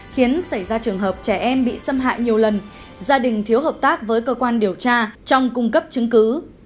khiến xảy ra trường hợp trẻ em bị xâm hại nhiều lần gia đình thiếu hợp tác với cơ quan điều tra trong cung cấp chứng cứ